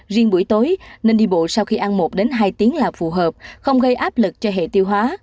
riêng buổi tối nên đi bộ sau khi ăn một hai tiếng là phù hợp không gây áp lực cho hệ tiêu hóa